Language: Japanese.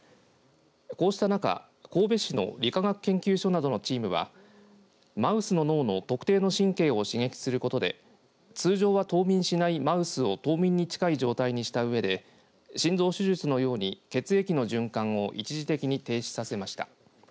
こうした中、神戸市の理化学研究所などのチームはマウスの脳の特定の神経を刺激することで通常は冬眠しないマウスを冬眠に近い状態にしたうえで心臓手術のように血液の循環を一時的に停止させました。